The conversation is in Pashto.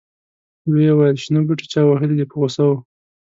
ویې ویل شنه بوټي چا وهلي دي په غوسه و.